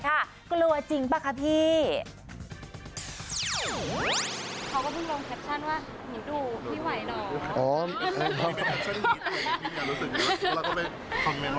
เขาก็เพิ่มลงแคปชั่นว่าหมีดุพี่ไหวเหรอ